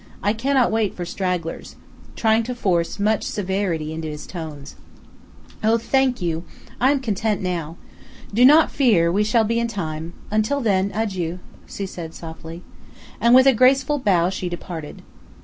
I cannot wait for stragglers," trying to force much severity into his tones. "Oh, thank you! I am content now. Do not fear; we shall be in time. Until then adieu," she said softly. And, with a graceful bow, she departed.